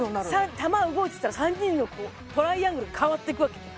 球動いてたら３人のこうトライアングルかわっていくわけ